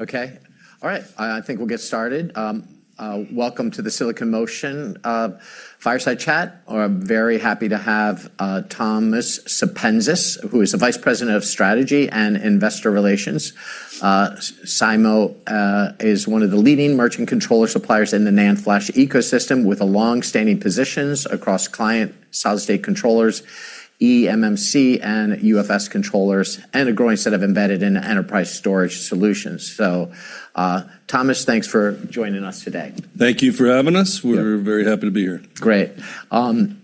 Okay. All right. I think we'll get started. Welcome to the Silicon Motion Fireside Chat. I'm very happy to have Thomas Sepenzis, who is the Vice President of Strategy and Investor Relations. SIMO is one of the leading merchant controller suppliers in the NAND flash ecosystem with longstanding positions across client solid-state controllers, eMMC and UFS controllers, and a growing set of embedded and enterprise storage solutions. Thomas, thanks for joining us today. Thank you for having us. We're very happy to be here. Great. Would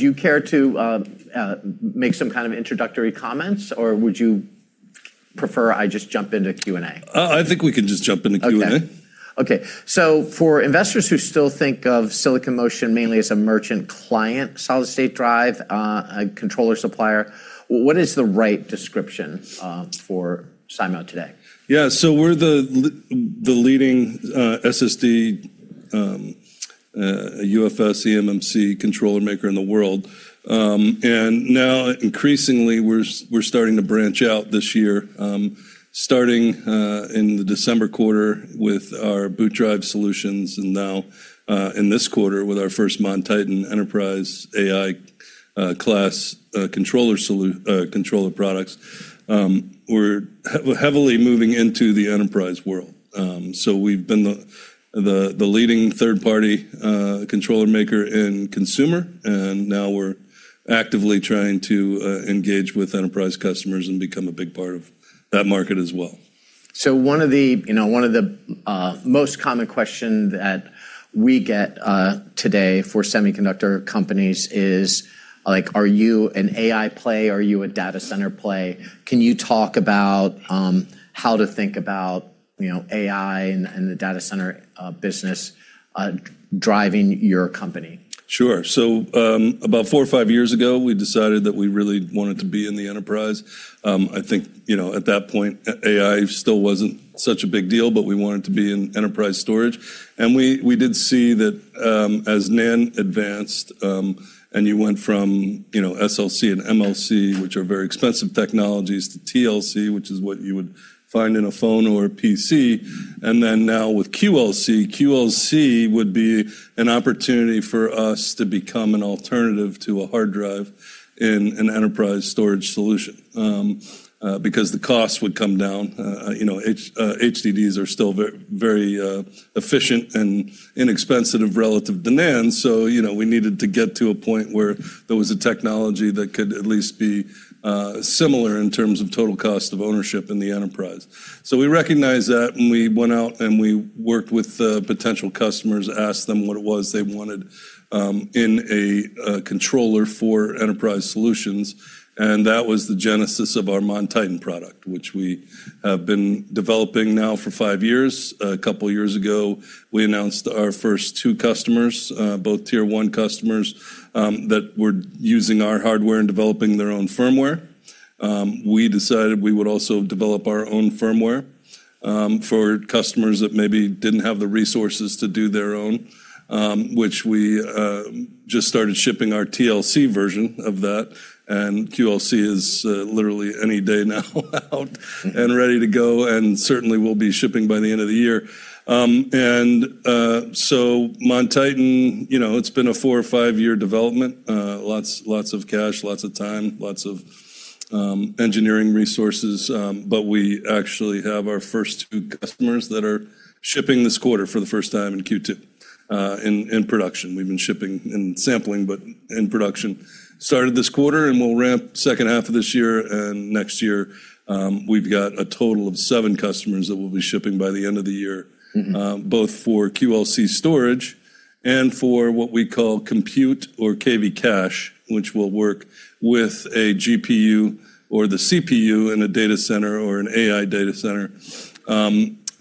you care to make some kind of introductory comments, or would you prefer I just jump into Q&A? I think we can just jump into Q&A. Okay. For investors who still think of Silicon Motion mainly as a merchant client solid-state drive, a controller supplier, what is the right description for SIMO today? Yeah. We're the leading SSD, UFS, eMMC controller maker in the world. Now increasingly, we're starting to branch out this year, starting in the December quarter with our boot drive solutions, and now in this quarter with our first MonTitan enterprise AI-class controller products. We're heavily moving into the enterprise world. We've been the leading third-party controller maker in consumer, and now we're actively trying to engage with enterprise customers and become a big part of that market as well. One of the most common questions that we get today for semiconductor companies is. Are you an AI play? Are you a data center play? Can you talk about how to think about AI and the data center business driving your company? Sure. About four or five years ago, we decided that we really wanted to be in the enterprise. I think, at that point, AI still wasn't such a big deal, but we wanted to be in enterprise storage. We did see that as NAND advanced, and you went from SLC and MLC, which are very expensive technologies, to TLC, which is what you would find in a phone or a PC, and then now with QLC. QLC would be an opportunity for us to become an alternative to a hard drive in an enterprise storage solution, because the cost would come down. HDDs are still very efficient and inexpensive relative to NAND. We needed to get to a point where there was a technology that could at least be similar in terms of total cost of ownership in the enterprise. We recognized that, and we went out and we worked with potential customers, asked them what it was they wanted in a controller for enterprise solutions, and that was the genesis of our MonTitan product, which we have been developing now for 5 years. A couple of years ago, we announced our first two customers, both Tier 1 customers, that were using our hardware and developing their own firmware. We decided we would also develop our own firmware for customers that maybe didn't have the resources to do their own, which we just started shipping our TLC version of that, and QLC is literally any day now out and ready to go, and certainly will be shipping by the end of the year. MonTitan, it's been a four or five-year development. Lots of cash, lots of time, lots of engineering resources. We actually have our first two customers that are shipping this quarter for the first time in Q2 in production. We've been shipping and sampling, but in production. Production started this quarter, and we'll ramp second half of this year and next year. We've got a total of seven customers that will be shipping by the end of the year. both for QLC storage and for what we call compute or KV cache, which will work with a GPU or the CPU in a data center or an AI data center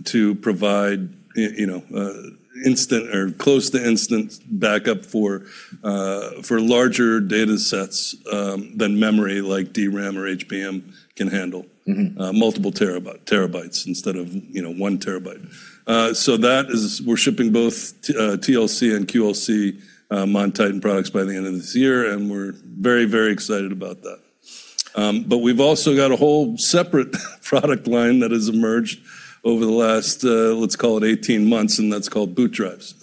to provide instant or close to instant backup for larger datasets than memory like DRAM or HBM can handle. Multiple terabytes instead of one terabyte. We're shipping both TLC and QLC MonTitan products by the end of this year, and we're very excited about that. We've also got a whole separate product line that has emerged over the last, let's call it 18 months, and that's called boot drives.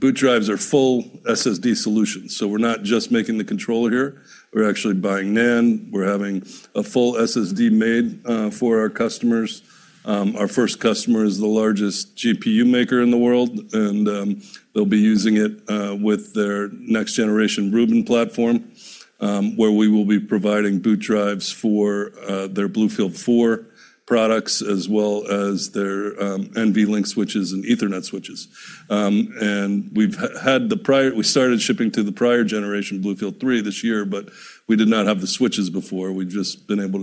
Boot drives are full SSD solutions. We're not just making the controller here. We're actually buying NAND. We're having a full SSD made for our customers. Our first customer is the largest GPU maker in the world, and they'll be using it with their next generation Rubin platform, where we will be providing boot drives for their BlueField-4 products as well as their NVLink switches and Ethernet switches. We started shipping to the prior generation, BlueField-3, this year, but we did not have the switches before. We're going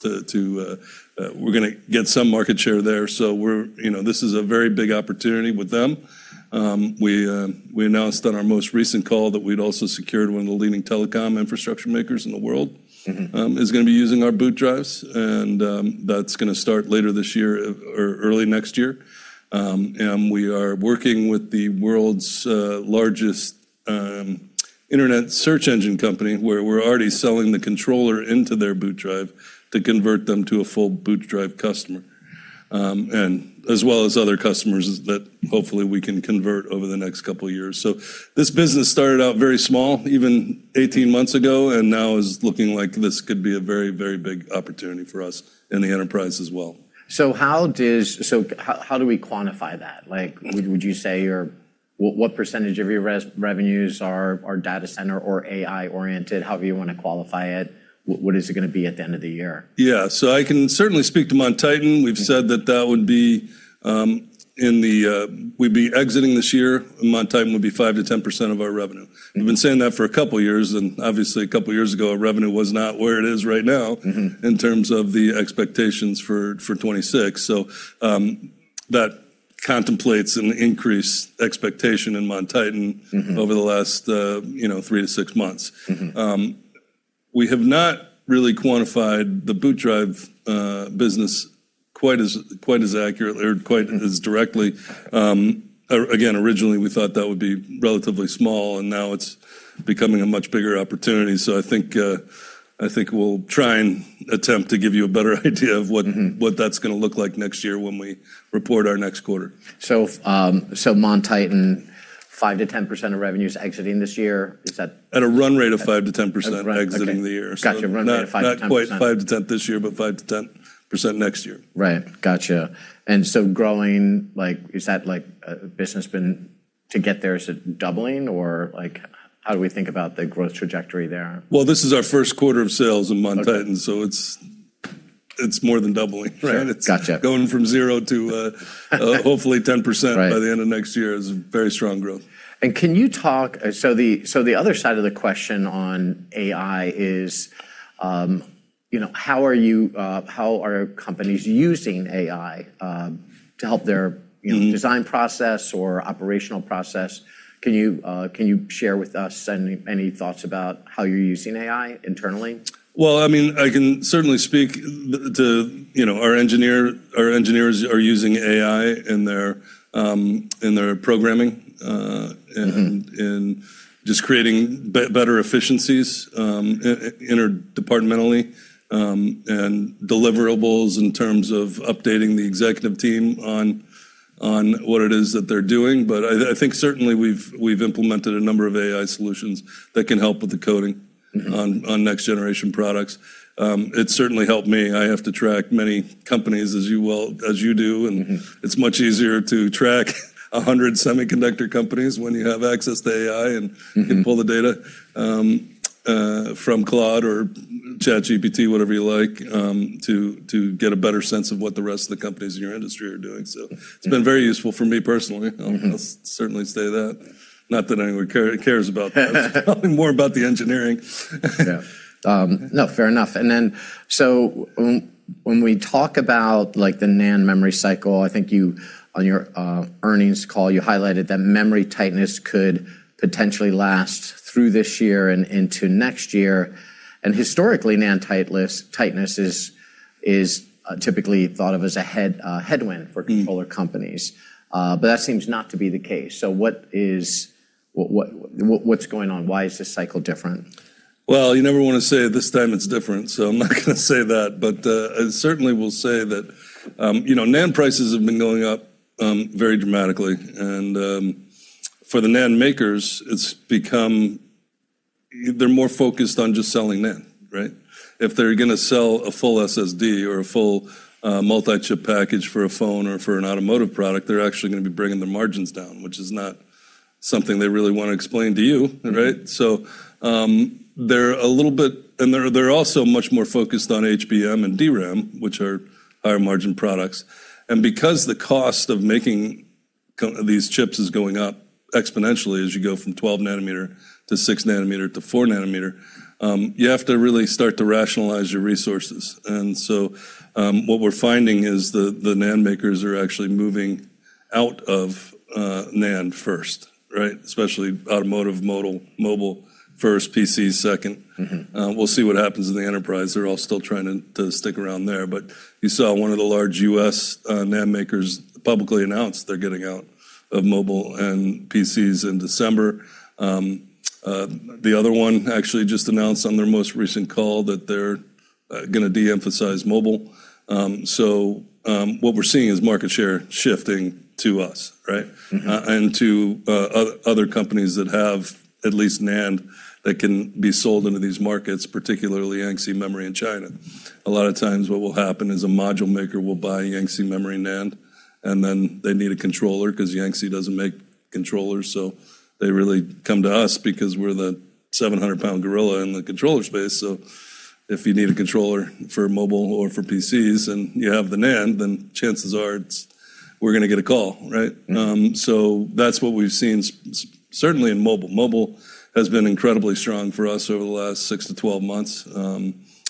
to get some market share there. This is a very big opportunity with them. We announced on our most recent call that we'd also secured one of the leading telecom infrastructure makers in the world. Is going to be using our boot drives, and that's going to start later this year or early next year. We are working with the world's largest internet search engine company, where we're already selling the controller into their boot drive to convert them to a full boot drive customer. As well as other customers that hopefully we can convert over the next couple of years. This business started out very small, even 18 months ago, and now is looking like this could be a very, very big opportunity for us in the enterprise as well. How do we quantify that? What percentage of your revenues are data center or AI oriented? However you want to qualify it, what is it going to be at the end of the year? Yeah. I can certainly speak to MonTitan. We've said that we'd be exiting this year, and MonTitan would be 5%-10% of our revenue. We've been saying that for a couple of years, and obviously, a couple of years ago, our revenue was not where it is right now. In terms of the expectations for 2026. that contemplates an increased expectation in MonTitan. Over the last three to six months. We have not really quantified the boot drive business quite as accurately or quite as directly. Again, originally, we thought that would be relatively small, and now it's becoming a much bigger opportunity. I think we'll try and attempt to give you a better idea of what that's going to look like next year when we report our next quarter. MonTitan, 5%-10% of revenues exiting this year. At a run rate of 5%-10% exiting the year. Got you. Run rate of 5%-10%. Not quite 5%-10% this year, but 5%-10% next year. Right. Got you. growing, has that business been, to get there, is it doubling, or how do we think about the growth trajectory there? Well, this is our first quarter of sales in MonTitan, so it's more than doubling. Right. Got you. It's going from zero to hopefully 10%- Right by the end of next year. It has very strong growth. The other side of the question on AI is, how are companies using AI to help their design process or operational process? Can you share with us any thoughts about how you're using AI internally? Well, I can certainly speak to our engineers are using AI in their programming- just creating better efficiencies interdepartmentally, and deliverables in terms of updating the executive team on what it is that they're doing. I think certainly we've implemented a number of AI solutions that can help with the coding on next-generation products. It's certainly helped me. I have to track many companies, as you do, and it's much easier to track 100 semiconductor companies when you have access to AI and can pull the data from Claude or ChatGPT, whatever you like, to get a better sense of what the rest of the companies in your industry are doing. It's been very useful for me personally. I'll certainly say that. Not that anyone cares about that. It's probably more about the engineering. Yeah. No, fair enough. when we talk about the NAND memory cycle, I think on your earnings call, you highlighted that memory tightness could potentially last through this year and into next year, and historically, NAND tightness is typically thought of as a headwind for controller companies. that seems not to be the case. what's going on? Why is this cycle different? Well, you never want to say, "This time it's different," so I'm not going to say that. I certainly will say that NAND prices have been going up very dramatically, and for the NAND makers, they're more focused on just selling NAND, right? If they're going to sell a full SSD or a full multi-chip package for a phone or for an automotive product, they're actually going to be bringing their margins down, which is not something they really want to explain to you, right? They're also much more focused on HBM and DRAM, which are higher-margin products, and because the cost of making these chips is going up exponentially as you go from 12 nanometer to 6 nm to 4 nm, you have to really start to rationalize your resources. What we're finding is the NAND makers are actually moving out of NAND first, right? Especially automotive, mobile first, PCs second. We'll see what happens in the enterprise. They're all still trying to stick around there. You saw one of the large U.S. NAND makers publicly announce they're getting out of mobile and PCs in December. The other one actually just announced on their most recent call that they're going to de-emphasize mobile. What we're seeing is market share shifting to us, right? To other companies that have at least NAND that can be sold into these markets, particularly Yangtze Memory in China. A lot of times what will happen is a module maker will buy Yangtze Memory NAND, and then they need a controller because Yangtze doesn't make controllers, so they really come to us because we're the 700-pound gorilla in the controller space. If you need a controller for mobile or for PCs, and you have the NAND, then chances are we're going to get a call, right? that's what we've seen, certainly in mobile. Mobile has been incredibly strong for us over the last six to 12 months,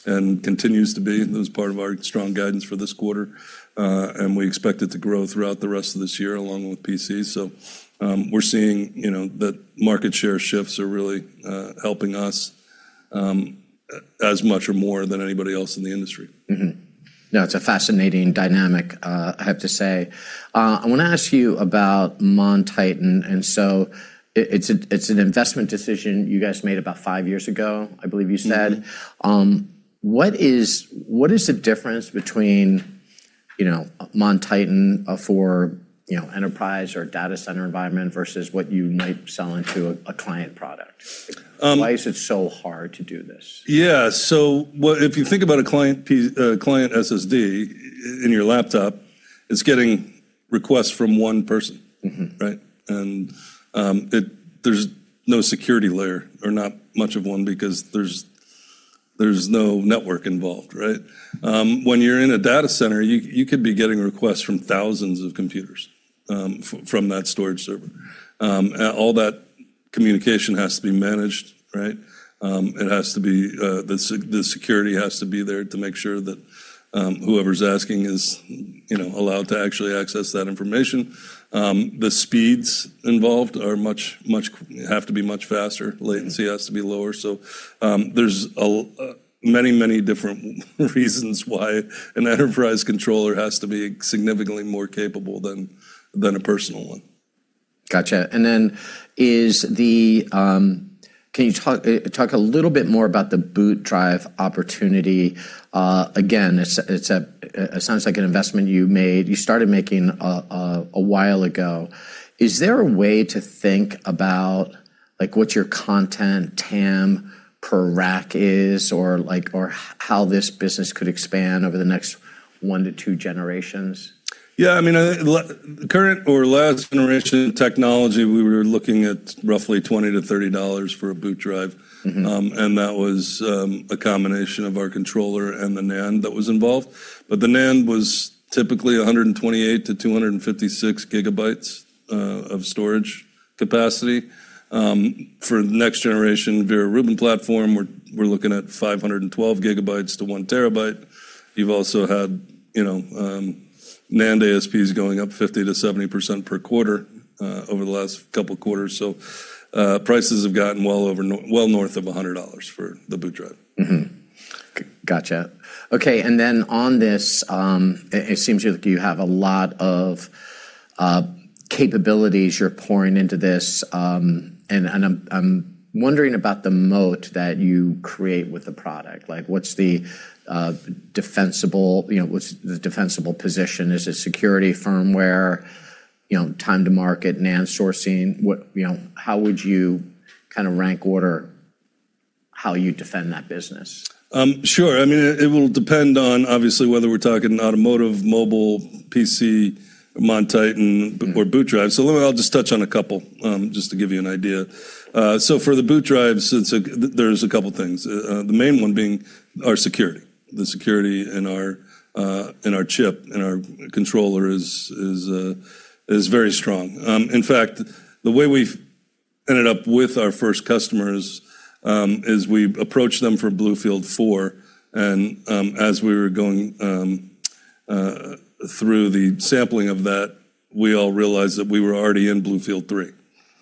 and continues to be. It was part of our strong guidance for this quarter, and we expect it to grow throughout the rest of this year, along with PCs. We're seeing that market share shifts are really helping us as much or more than anybody else in the industry. No, it's a fascinating dynamic, I have to say. I want to ask you about MonTitan. It's an investment decision you guys made about five years ago, I believe you said. What is the difference between MonTitan for enterprise or data center environment versus what you might sell into a client product? Um- Why is it so hard to do this? Yeah. if you think about a client SSD in your laptop, it's getting requests from one person. Right? there's no security layer, or not much of one, because there's no network involved, right? When you're in a data center, you could be getting requests from thousands of computers from that storage server. All that communication has to be managed, right? The security has to be there to make sure that whoever's asking is allowed to actually access that information. The speeds involved have to be much faster. Latency has to be lower. there's many different reasons why an enterprise controller has to be significantly more capable than a personal one. Got you. Can you talk a little bit more about the boot drive opportunity? Again, it sounds like an investment you started making a while ago. Is there a way to think about what your content TAM per rack is, or how this business could expand over the next one to two generations? Yeah. The current or last generation technology, we were looking at roughly $20-$30 for a boot drive. That was a combination of our controller and the NAND that was involved. The NAND was typically 128-256 GB of storage capacity. For the next generation Vera Rubin platform, we're looking at 512 GB to 1 TB. You've also had NAND ASPs going up 50%-70% per quarter over the last couple of quarters. Prices have gotten well north of $100 for the boot drive. Mm-hmm. Got you. Okay. On this, it seems you have a lot of capabilities you're pouring into this. I'm wondering about the moat that you create with the product. What's the defensible position? Is it security firmware, time to market, NAND sourcing? How would you rank order how you defend that business? Sure. It will depend on, obviously, whether we're talking automotive, mobile, PC, MonTitan, or boot drive. Let me, I'll just touch on a couple, just to give you an idea. For the boot drives, there's a couple things. The main one being our security. The security in our chip, in our controller is very strong. In fact, the way we ended up with our first customers is we approached them for BlueField 4, and as we were going through the sampling of that, we all realized that we were already in BlueField 3,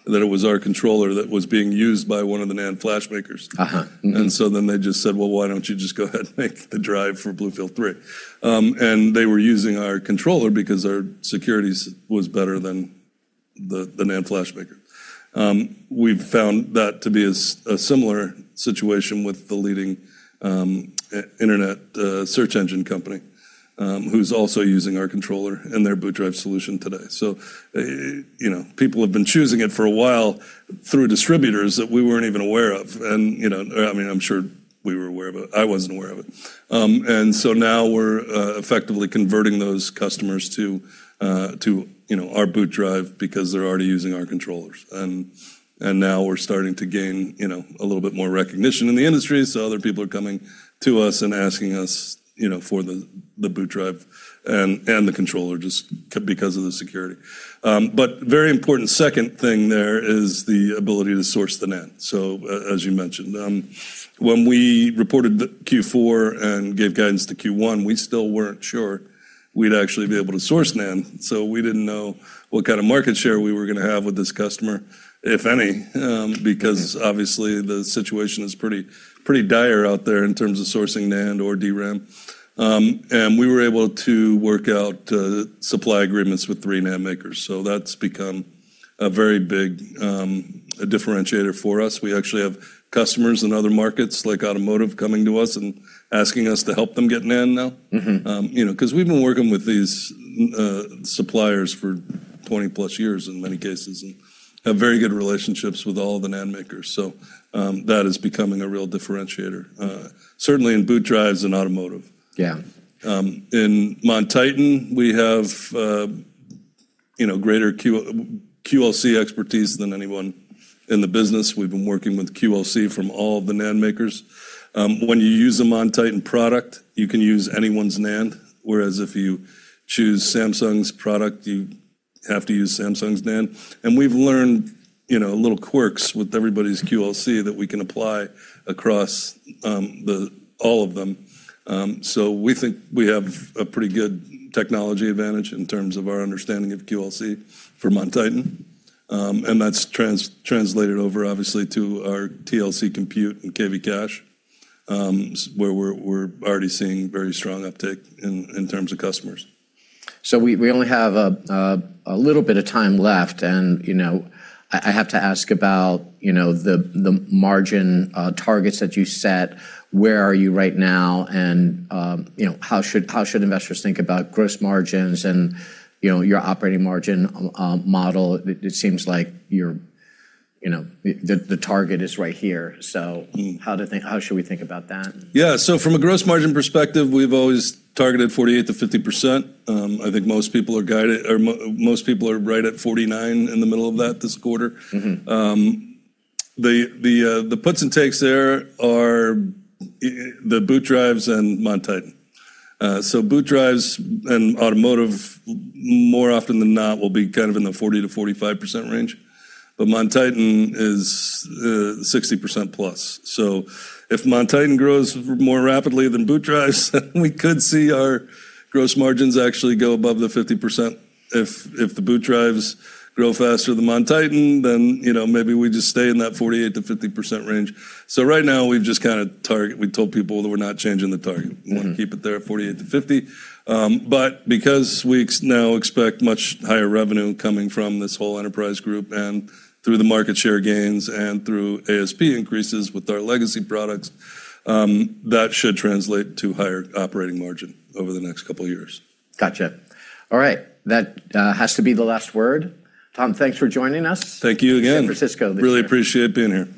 that it was our controller that was being used by one of the NAND flash makers. Uh-huh. Mm-hmm. They just said, "Well, why don't you just go ahead and make the drive for BlueField 3?" They were using our controller because our security was better than the NAND flash maker. We've found that to be a similar situation with the leading internet search engine company, who's also using our controller in their boot drive solution today. People have been choosing it for a while through distributors that we weren't even aware of. I'm sure we were aware of it. I wasn't aware of it. Now we're effectively converting those customers to our boot drive because they're already using our controllers. Now we're starting to gain a little bit more recognition in the industry, so other people are coming to us and asking us for the boot drive and the controller just because of the security. very important second thing there is the ability to source the NAND, as you mentioned. When we reported the Q4 and gave guidance to Q1, we still weren't sure we'd actually be able to source NAND. we didn't know what kind of market share we were going to have with this customer, if any. obviously the situation is pretty dire out there in terms of sourcing NAND or DRAM. we were able to work out supply agreements with three NAND makers, so that's become a very big differentiator for us. We actually have customers in other markets, like automotive, coming to us and asking us to help them get NAND now. Because we've been working with these suppliers for 20+ years in many cases, and have very good relationships with all of the NAND makers. That is becoming a real differentiator. Certainly, in boot drives and automotive. Yeah. In MonTitan, we have greater QLC expertise than anyone in the business. We've been working with QLC from all of the NAND makers. When you use a MonTitan product, you can use anyone's NAND. Whereas if you choose Samsung's product, you have to use Samsung's NAND. We've learned little quirks with everybody's QLC that we can apply across all of them. We think we have a pretty good technology advantage in terms of our understanding of QLC for MonTitan. That's translated over, obviously, to our TLC compute and KV cache, where we're already seeing very strong uptick in terms of customers. We only have a little bit of time left and I have to ask about the margin targets that you set. Where are you right now, and how should investors think about gross margins and your operating margin model? It seems like the target is right here. How should we think about that? Yeah. From a gross margin perspective, we've always targeted 48% to 50%. I think most people are right at 49%, in the middle of that this quarter. The puts and takes there are the boot drives and MonTitan. Boot drives and automotive, more often than not, will be kind of in the 40% to 45% range. MonTitan is 60%+. If MonTitan grows more rapidly than boot drives, then we could see our gross margins actually go above the 50%. If the boot drives grow faster than MonTitan, then maybe we just stay in that 48% to 50% range. Right now, we've told people that we're not changing the target. We want to keep it there at 48%-50%. because we now expect much higher revenue coming from this whole enterprise group, and through the market share gains, and through ASP increases with our legacy products, that should translate to higher operating margin over the next couple of years. Got you. All right. That has to be the last word. Tom, thanks for joining us. Thank you again in San Francisco this year. Really appreciate being here. Thanks.